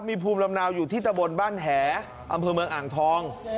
มีภูมิลำเนาอยู่ที่ตะบนบ้านแหอำเภอเมืองอ่างทอง